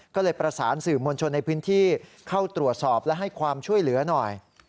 ก็เลยประสานสื่อมวลชนในพื้นที่เข้าตรวจสอบและให้ความช่วยเหลือหน่อย